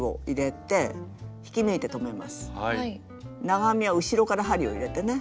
長編みは後ろから針を入れてね